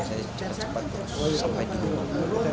saya secara cepat sampai di rumah